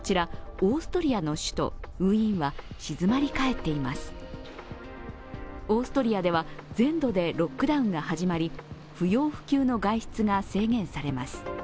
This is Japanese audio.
オーストリアでは全土でロックダウンが始まり不要不急の外出が制限されます。